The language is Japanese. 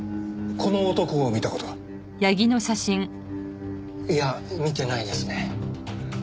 この男を見た事は？いや見てないですね。